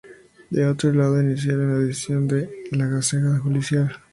De otro lado, inició la edición de "La Gaceta Judicial".